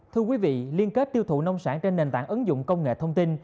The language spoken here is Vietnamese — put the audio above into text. thưa quý vị liên kết tiêu thụ nông sản trên nền tảng ứng dụng công nghệ thông tin